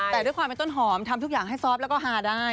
แต่ด้วยความเป็นต้นหอมทำทุกอย่างให้ซอฟต์แล้วก็ฮาได้